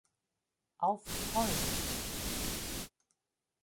Auf fol.